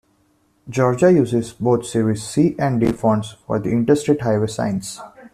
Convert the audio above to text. Georgia uses both Series C and D fonts for the Interstate highway signs.